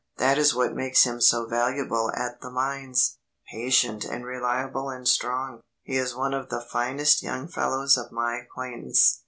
"That is what makes him so valuable at the mines. Patient and reliable and strong, he is one of the finest young fellows of my acquaintance.